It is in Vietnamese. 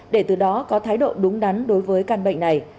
để từ đó có thái độ đúng đắn đối với căn bệnh này